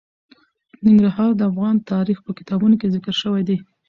ننګرهار د افغان تاریخ په کتابونو کې ذکر شوی دي.